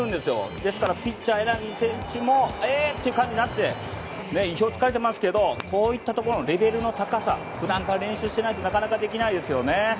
だからピッチャーの柳選手もえっていう感じになって意表を突かれてますけどこういったレベルの高さ普段から練習していないとなかなかできませんよね。